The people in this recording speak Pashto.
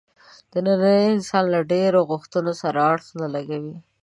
د ننني انسان له ډېرو غوښتنو سره اړخ نه لګوي.